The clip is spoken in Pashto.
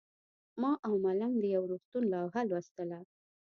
ما او ملنګ د یو روغتون لوحه لوستله.